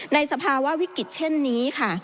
สภาวะวิกฤตเช่นนี้ค่ะ